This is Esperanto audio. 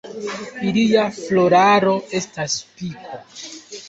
Ilia floraro estas spiko.